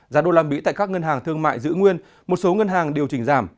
giá đô la mỹ tại các ngân hàng thương mại giữ nguyên một số ngân hàng điều chỉnh giảm